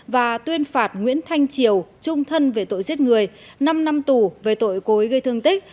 và tuyên phạt nguyễn thanh triều trung thân về tội giết người năm năm tù về tội cố ý gây thương tích